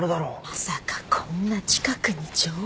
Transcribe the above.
まさかこんな近くに上玉が？